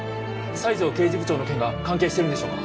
西城刑事部長の件が関係してるんでしょうか？